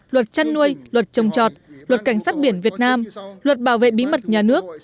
luật chăn nuôi luật trồng trọt luật cảnh sát biển việt nam luật bảo vệ bí mật nhà nước